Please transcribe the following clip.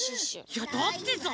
いやだってさ。